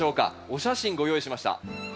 お写真ご用意しました。